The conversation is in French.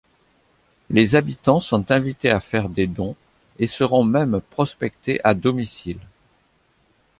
Les habitants sont invités à faire des dons, et seront même prospectés à domicile.